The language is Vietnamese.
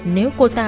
nếu cô ta